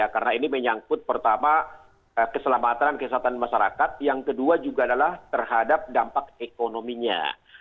karena ini menyangkut pertama keselamatan dan kesehatan masyarakat yang kedua juga adalah terhadap dampak ekonominya